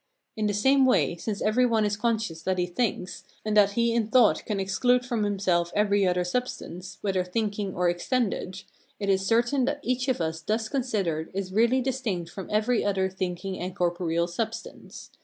In the same way, since every one is conscious that he thinks, and that he in thought can exclude from himself every other substance, whether thinking or extended, it is certain that each of us thus considered is really distinct from every other thinking and corporeal substance.